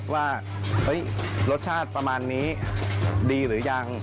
ว่ารสชาติประมาณนี้ดีหรือยัง